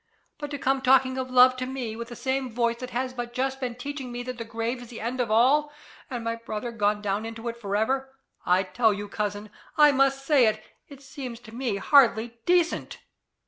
But to come talking of love to me, with the same voice that has but just been teaching me that the grave is the end of all, and my brother gone down into it for ever I tell you, cousin I must say it it seems to me hardly decent.